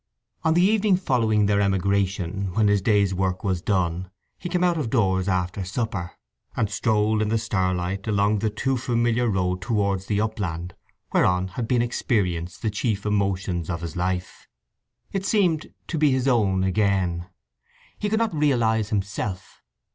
On the evening following their emigration, when his day's work was done, he came out of doors after supper, and strolled in the starlight along the too familiar road towards the upland whereon had been experienced the chief emotions of his life. It seemed to be his own again. He could not realize himself.